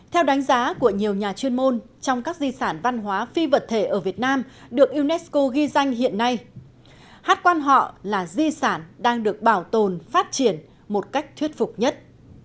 theo đánh giá của nhiều nhà chuyên môn trong các di sản văn hóa phi vật thể ở việt nam được unesco ghi danh hiện nay hát quan họ là di sản đang được bảo tồn phát triển một cách thuyết phục nhất